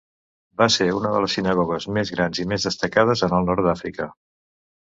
Va ser una de les sinagogues més grans i més destacades en el nord d'Àfrica.